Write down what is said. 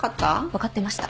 分かってました。